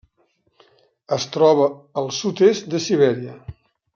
Es troba al sud-est de Sibèria.